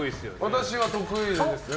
私は得意ですね。